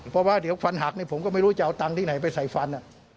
เพราะว่าเดี๋ยวฟันหักผมก็ไม่รู้จะเอาตังค์ที่ไหนไปใส่ฟัน